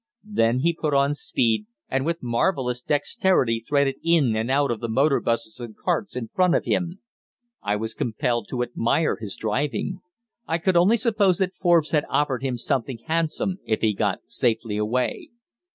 Then he put on speed, and with marvellous dexterity threaded in and out of the motor buses and carts in front of him. I was compelled to admire his driving. I could only suppose that Forbes had offered him something handsome if he got safely away.